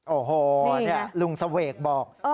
โอ้โหนี่ลุงเสวกบอก